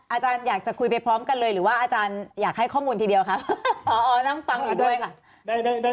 อาจารย์อยากจะคุยไปพร้อมกันเลยหรือว่าอาจารย์อยากให้ข้อมูลทีเดียวครับพอนั่งฟังอยู่ด้วยค่ะ